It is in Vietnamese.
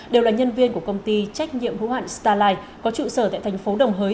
đều là nhân viên của công ty trách nhiệm hữu hạn starlight có trụ sở tại thành phố đồng hới